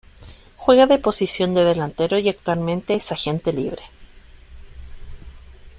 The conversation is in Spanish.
Juega de posición de Delantero y actualmente es Agente Libre.